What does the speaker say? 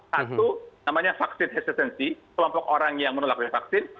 satu namanya vaksin hesitancy kelompok orang yang menolak vaksin